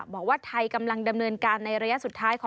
บอกว่าไทยกำลังดำเนินการในระยะสุดท้ายของ